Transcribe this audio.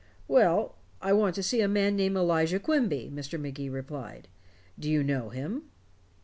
"Well I want to see a man named Elijah Quimby," Mr. Magee replied. "Do you know him?"